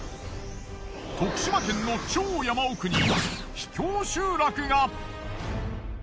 徳島県の超山奥に秘境集落が。